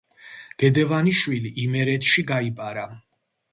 გედევანიშვილი იმერეთში გაიპარა.